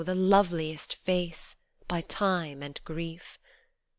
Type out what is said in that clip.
the loveliest face, by time and grief